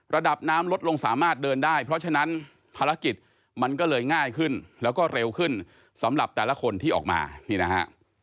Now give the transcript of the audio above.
ระดับน้ำลดลงสามารถเดินได้เพราะฉะนั้นภารกิจมันก็เลยง่ายขึ้นแล้วก็เร็วขึ้นสำหรับแต่ละคนที่ออกมานี่นะฮะ